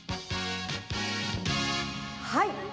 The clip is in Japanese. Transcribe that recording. はい！